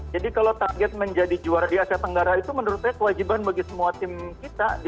jadi kalau target menjadi juara di asia tenggara itu menurutnya kewajiban bagi semua tim kita di